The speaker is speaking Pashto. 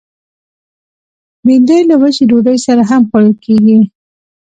بېنډۍ له وچې ډوډۍ سره هم خوړل کېږي